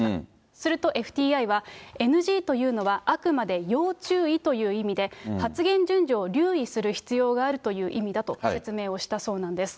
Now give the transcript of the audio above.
するとＦＴＩは、ＮＧというのはあくまで要注意という意味で、発言順序を留意する必要があるという意味だと説明をしたそうなんです。